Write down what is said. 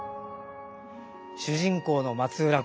主人公の松浦侯